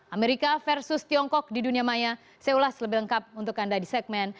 amerika versus tiongkok di dunia maya saya ulas lebih lengkap untuk anda di segmen